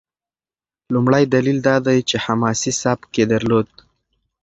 لومړی دلیل دا دی چې حماسي سبک یې درلود.